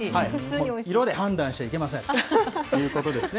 色で判断しちゃいけませんということですね。